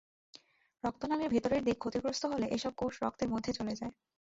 রক্তনালির ভেতরের দিক ক্ষতিগ্রস্ত হলে এসব কোষ রক্তের মধ্যে চলে যায়।